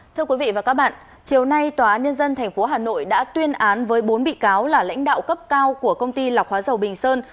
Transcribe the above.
thưa quý vị và các bạn chiều nay tòa nhân dân tp hà nội đã tuyên án với bốn bị cáo là lãnh đạo cấp cao của công ty lọc hóa dầu bình sơn